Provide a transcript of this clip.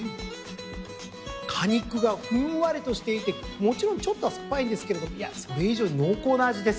果肉がふんわりとしていてもちろんちょっとは酸っぱいんですけれどいやそれ以上に濃厚な味です。